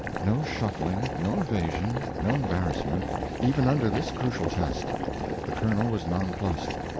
No shuffling, no evasion, no embarrassment, even under this crucial test. The Colonel was nonplussed.